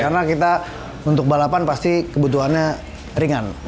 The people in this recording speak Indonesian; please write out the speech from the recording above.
karena kita untuk balapan pasti kebutuhannya ringan